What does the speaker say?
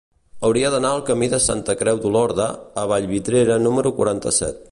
Hauria d'anar al camí de Santa Creu d'Olorda a Vallvidrera número quaranta-set.